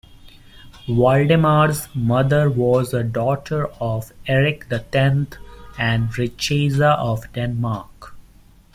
Valdemar's mother was a daughter of Eric the Tenth and Richeza of Denmark.